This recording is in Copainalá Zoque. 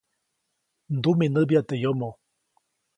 Ndumiʼnäbyaʼt teʼ yomoʼ.